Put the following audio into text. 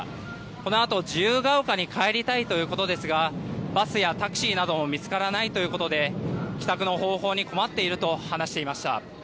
このあと自由が丘に帰りたいということですがバスやタクシーなども見つからないということで帰宅の方法に困っていると話していました。